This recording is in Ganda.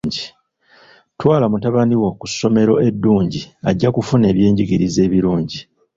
Twala mutabani wo ku ssomero eddungi ajja kufuna ebyenjigiriza ebirungi.